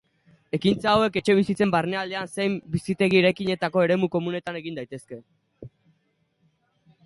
Ekintza hauek etxebizitzen barnealdean zein bizitegi-eraikinetako eremu komunetan egin daitezke.